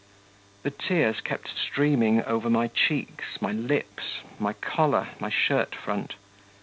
The tears kept streaming over my cheeks, my lips, my collar, my shirt front.